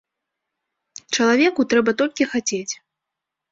Чалавеку трэба толькі хацець.